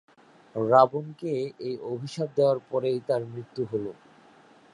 রাবণকে এই অভিশাপ দেওয়ার পরেই তাঁর মৃত্যু হলো।